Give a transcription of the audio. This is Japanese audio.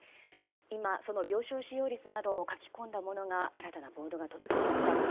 今、その病床使用率などを書き込んだ新たなボードが届きました。